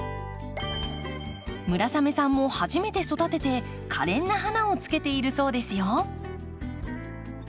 村雨さんも初めて育ててかれんな花をつけているそうですよ。